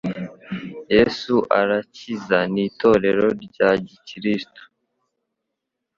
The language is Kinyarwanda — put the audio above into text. yesu arakiza ni itorero rya gikiristo